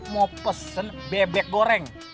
mau pesen bebek goreng